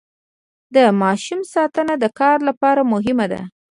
د ماشوم ساتنه د کار لپاره مهمه ده.